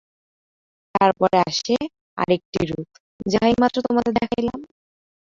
তারপরে আসে আর একটি রূপ, যাহা এইমাত্র তোমাদের দেখাইলাম।